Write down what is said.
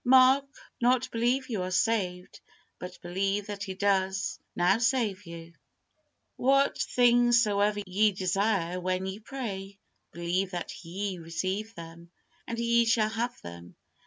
Mark, not believe you are saved, but believe that He does now save you. "What things soever ye desire when ye pray, believe that ye receive them, and ye shall have them."